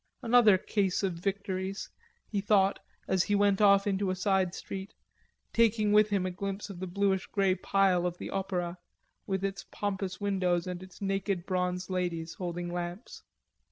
"Another case of victories," he thought, as he went off into a side street, taking with him a glimpse of the bluish grey pile of the Opera, with its pompous windows and its naked bronze ladies holding lamps.